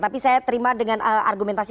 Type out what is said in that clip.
tapi saya terima dengan argumentasi